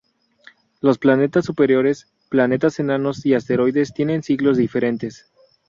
Los planetas superiores, planetas enanos y asteroides tienen ciclos diferentes.